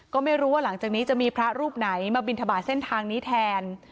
ก็ไม่รู้ว่าหลังจากนี้จะมีพระรูปไหนมาบินทบาทเส้นทางนี้แทน